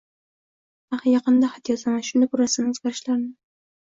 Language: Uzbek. Yaqinda xat yozaman, shunda ko’rasan o’zgarishlarni…